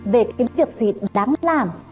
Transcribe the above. về cái việc gì đáng làm